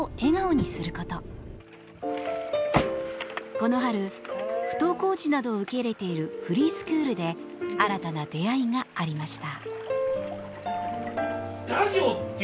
この春不登校児などを受け入れているフリースクールで新たな出会いがありました。